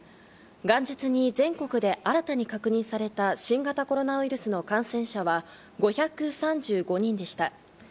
元日に全国で新たに確認された新型コロナウイルスの感染者は５３５人でした。